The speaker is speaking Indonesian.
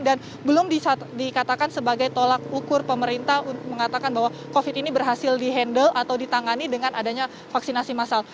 dan belum dikatakan sebagai tolak ukur pemerintah untuk mengatakan bahwa covid ini berhasil di handle atau ditangani dengan adanya vaksinasi masal